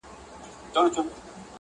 نیمګړي عمر ته مي ورځي د پېغور پاته دي!!